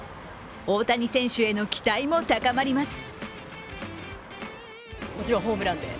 大谷選手への期待も高まります。